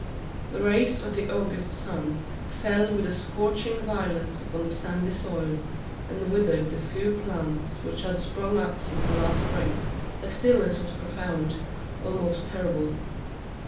The rays of the August sun fell with scorching violence upon the sandy soil, and withered the few plants which had sprung up since the last rain. The stillness was profound, almost terrible.